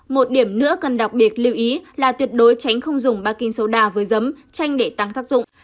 một điểm nữa cần đặc biệt lưu ý là tuyệt đối tránh không dùng baking số đà với dấm tranh để tăng tác dụng